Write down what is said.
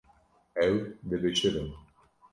Ew dibişirin.